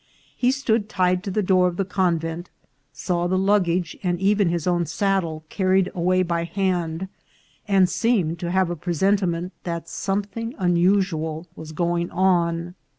He stood tied to the door of the convent ; saw the luggage, and even his own saddle, carried away by hand, and seemed to have a presentiment that something unusual was going on.